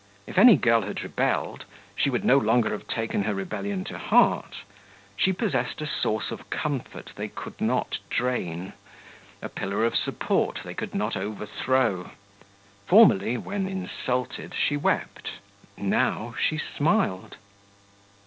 If any girl had rebelled, she would no longer have taken her rebellion to heart; she possessed a source of comfort they could not drain, a pillar of support they could not overthrow: formerly, when insulted, she wept; now, she smiled.